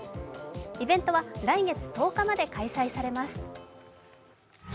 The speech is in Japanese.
イベントは来月１０日まで開催されます。